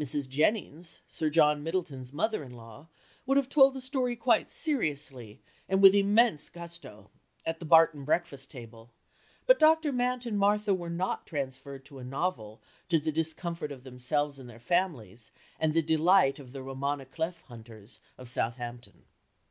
Mrs. Jennings, Sir John Middleton's mother in law, would have told the story quite seriously, and with immense gusto, at the Barton breakfast table, but Dr. Mant and Martha were not transferred to a novel to the discomfort of themselves and their families and the delight of the roman à clef hunters of Southampton.